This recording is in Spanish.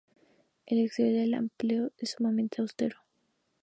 El exterior del templo es sumamente austero.